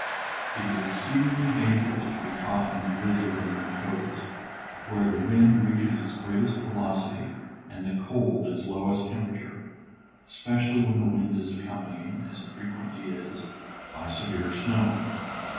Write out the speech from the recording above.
It is exceedingly dangerous to be caught in a blizzard in the Dakotas, where the wind reaches its greatest velocity and the cold its lowest temperature especially when the wind is accompanied, as it frequently is, by severe snowing.